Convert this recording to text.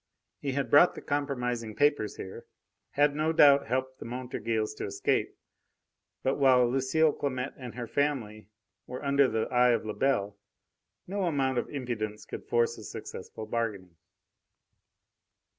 He had brought the compromising papers here, had no doubt helped the Montorgueils to escape; but while Lucile Clamette and her family were under the eye of Lebel no amount of impudence could force a successful bargaining.